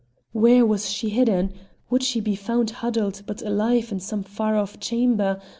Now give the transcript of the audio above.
Where was she hidden? Would she be found huddled but alive in some far off chamber?